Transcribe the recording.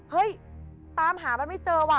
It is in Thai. เฮ้ยตามหามันไม่เจอว่